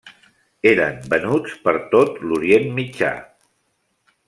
Eren venuts per tot l'Orient Mitjà.